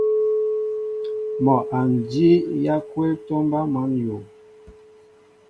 Mol a njii yaakwɛl tomba măn yu.